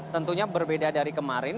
tentunya berbeda dari kemarin